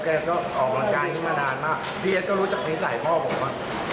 แกก็ออกกำลังกายนี้มานานมากพี่เอสก็รู้จักนิสัยพ่อผมว่า